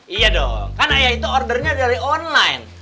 iya dong kan ayah itu ordernya dari online